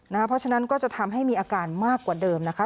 เพราะฉะนั้นก็จะทำให้มีอาการมากกว่าเดิมนะคะ